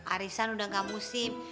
arisan udah gak musim